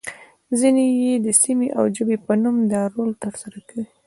ځینې يې د سیمې او ژبې په نوم دا رول ترسره کوي.